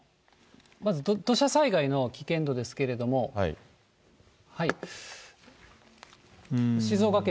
まず土砂災害の危険度ですけれども、静岡県。